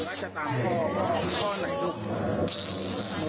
ปรดตามตอนต่อไป